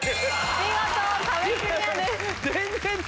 見事壁クリアです。